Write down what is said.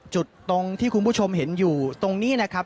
ตรงที่คุณผู้ชมเห็นอยู่ตรงนี้นะครับ